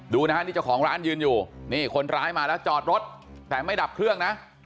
ดูนะฮะนี่เจ้าของร้านยืนอยู่นี่คนร้ายมาแล้วจอดรถแต่ไม่ดับเครื่องนะ